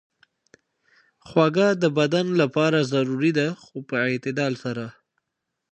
خوږه د بدن لپاره ضروري ده، خو په اعتدال سره.